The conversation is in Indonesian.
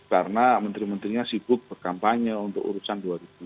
karena menteri menterinya sibuk berkampanye untuk urusan dua ribu dua puluh empat